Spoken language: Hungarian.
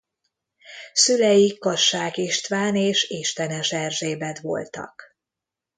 Szülei Kassák István és Istenes Erzsébet voltak.